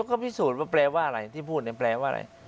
ก็พิสูจน์ว่าแปลว่าอะไรที่พูดเนี่ยแปลว่าอะไร